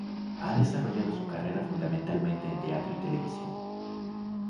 Ha desarrollado su carrera fundamentalmente en teatro y televisión.